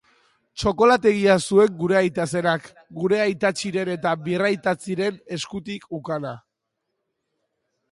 Txokolategia zuen gure aita zenak, gure aitatxiren eta birraitatxiren eskutik ukana.